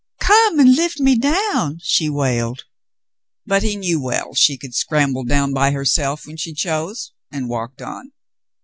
"Come and lift me down," she wailed. But he knew well she could scramble down by herself when she chose, and walked on.